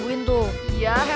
kamu pun udah lihat kan